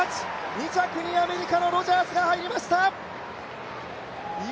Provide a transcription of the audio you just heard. ２着にアメリカのロジャースが入りました。